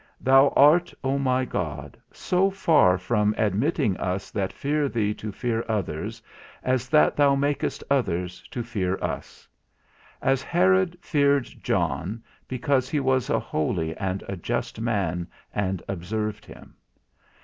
Thou art, O my God, so far from admitting us that fear thee to fear others, as that thou makest others to fear us; as Herod feared John, because he was a holy and a just man, and observed him.